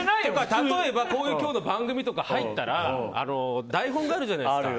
例えば、こういう今日の番組とか入ったら台本があるじゃないですか。